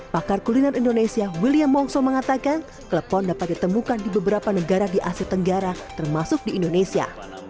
pakar kuliner indonesia william wongso mengatakan klepon dapat ditemukan di beberapa negara di asia tenggara termasuk di indonesia